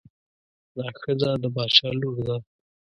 دا ښځه د باچا لور ده.